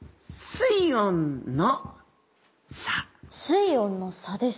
水温の差ですか。